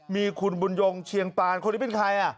มีคุณบุญยงเชียงปานคนนี้เป็นใคร